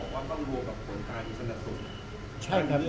ก็ต้องรวมกับผลการอิสระสุน